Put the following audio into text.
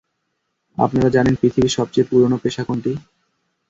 আপনারা জানেন, পৃথিবীর সবচেয়ে পুরোনো পেশা কোনটি!